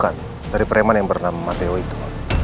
bukan dari preman yang bernama matteo itu